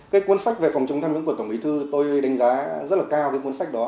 cái cuốn sách về phòng chống tham nhũng của tổng bí thư tôi đánh giá rất là cao cái cuốn sách đó